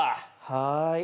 はい。